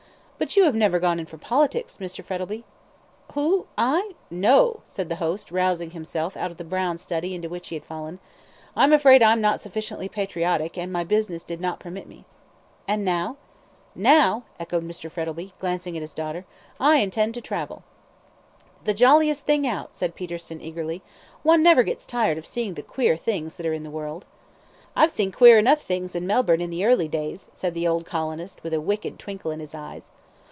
"But you have never gone in for politics, Mr. Frettlby?" "Who? I no," said the host, rousing himself out of the brown study into which he had fallen. "I'm afraid I'm not sufficiently patriotic, and my business did not permit me." "And now?" "Now," echoed Mr. Frettlby, glancing at his daughter, "I intend to travel." "The jolliest thing out," said Peterson, eagerly. "One never gets tired of seeing the queer things that are in the world." "I've seen queer enough things in Melbourne in the early days," said the old colonist, with a wicked twinkle in his eyes.